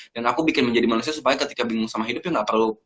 dan aku bikin menjadi manusia supaya ketika bingung sama hidup ya gak perlu